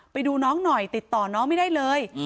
ไปดูน้องหน่อยติดต่อน้องไม่ได้เลย